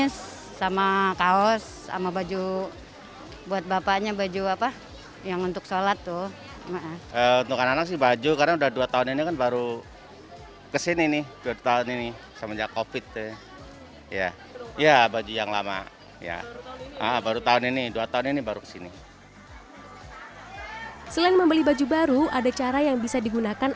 selain membeli baju baru ada cara yang bisa digunakan